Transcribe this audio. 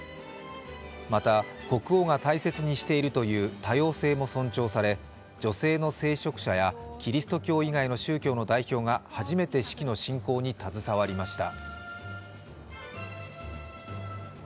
また、国王が大切にしているという多様性も尊重され女性の聖職者やキリスト教以外の宗教の代表が初めて式の進行に携わりました。